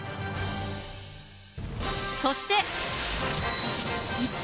そして！